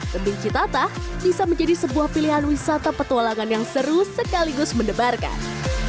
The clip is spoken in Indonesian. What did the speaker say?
tebing citata bisa menjadi sebuah pilihan wisata petualangan yang seru sekaligus mendebarkan